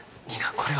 これは。